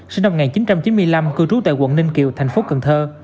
sinh năm một nghìn chín trăm chín mươi năm cư trú tại quận ninh kiều thành phố cần thơ